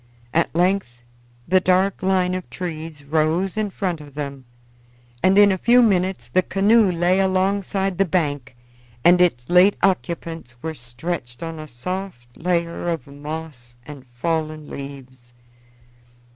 At length the dark line of trees rose in front of them, and in a few minutes the canoe lay alongside the bank and its late occupants were stretched on a soft layer of moss and fallen leaves.